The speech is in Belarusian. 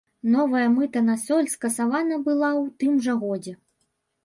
Новая мыта на соль скасавана была ў тым жа годзе.